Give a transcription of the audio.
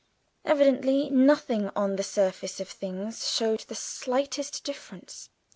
Evidently nothing on the face of things showed the slightest difference.